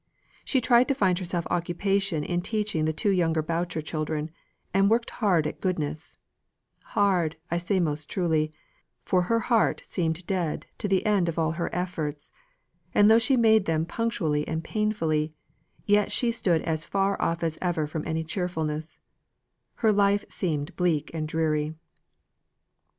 She tried to find herself occupation in teaching the two younger Boucher children, and worked hard at goodness; hard, I say most truly, for her heart seemed dead to the end of all her efforts; and though she made them punctually and painfully, yet she stood as far off as ever from any cheerfulness; her life seemed still bleak and dreary.